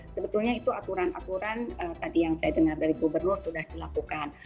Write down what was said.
sebetulnya itu aturan aturan tadi yang saya dengar dari gubernur sudah dilakukan